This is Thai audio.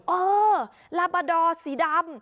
เออลาบาดอร์สีดำ